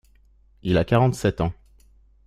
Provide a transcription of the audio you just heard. Il a quarante-sept ans…